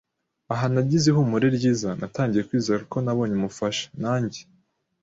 Aha nagize ihumure ryiza. Natangiye kwizera ko nabonye umufasha, nanjye